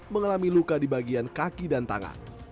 mengalami luka di bagian kaki dan tangan